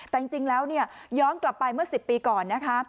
แต่จริงแล้วย้อนกลับไปเมื่อ๑๐ปีก่อนนะคะ